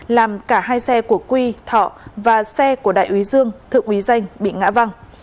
làm cả hai xe của quy thọ và xe của đại úy dương thượng quý danh bị ngã văng